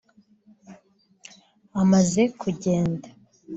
Amaze kugenda